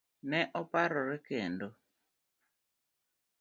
Ne oparore kendo.